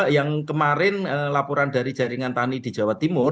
yang kemarin laporan dari jaringan tani di jawa timur